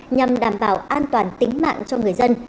nhằm đảm bảo an toàn tính mạng cho người dân